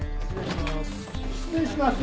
失礼します。